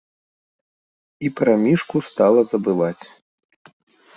І пра мішку стала забываць.